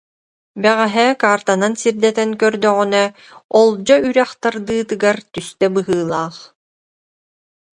Бэҕэһээ картанан сирдэтэн көрдөҕүнэ Олдьо үрэх тардыытыгар түстэ быһыылаах